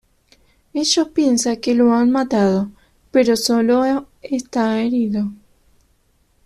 Ellos piensan que lo han matado, pero solo está herido.